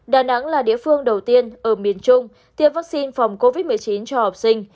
đà nẵng là địa phương đầu tiên ở miền trung tiêm vaccine phòng covid một mươi chín cho học sinh